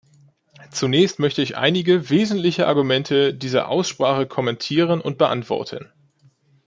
Zunächst möchte ich einige wesentliche Argumente dieser Aussprache kommentieren und beantworten.